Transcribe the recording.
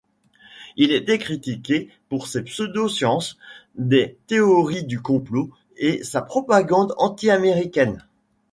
Il était critiqué pour ses Pseudo-sciences, des théories du complot et sa propagande anti-américaine.